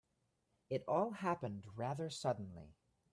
It all happened rather suddenly.